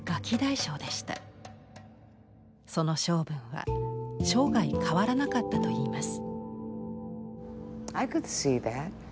その性分は生涯変わらなかったといいます。